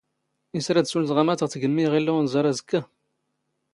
ⵉⵙ ⵔⴰⴷ ⵙⵓⵍ ⵜⵖⴰⵎⴰⵜ ⴳ ⵜⴳⵎⵎⵉ ⵉⴳ ⵉⵍⵍⴰ ⵓⵏⵥⴰⵕ ⴰⵣⴽⴽⴰ?